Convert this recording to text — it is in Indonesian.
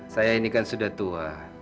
saya ini kan sudah tua